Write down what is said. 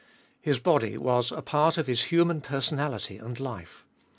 His body was a part of His human personality and life.